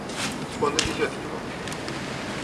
Он увезет его.